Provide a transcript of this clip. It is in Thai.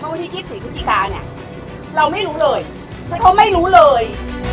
วันที่๒๔พฤศจิกาเนี่ยเราไม่รู้เลยเพราะไม่รู้เลย